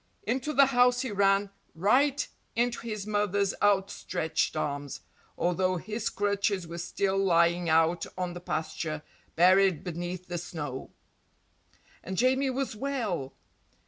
Into the house he ran, right into his mother's outstretched arms, although his crutches were still lying out on the pasture, buried beneath the snow! And Jamie was well!